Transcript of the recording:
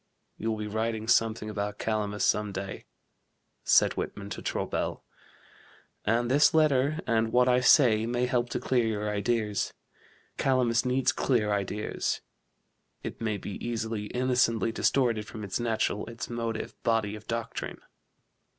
You will be writing something about Calamus some day," said W. [to Traubel], "and this letter, and what I say, may help to clear your ideas. Calamus needs clear ideas; it may be easily, innocently distorted from its natural, its motive, body of doctrine."